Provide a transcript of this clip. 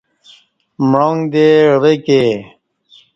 معانگ دے عوہ کے